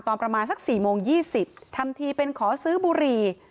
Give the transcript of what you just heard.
ตอนประมาณสักสี่โมงยี่สิบทำทีเป็นขอซื้อบุหรี่